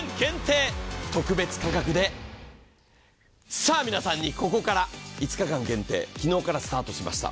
さあ皆さんにここから５日限定、昨日からスタートしました。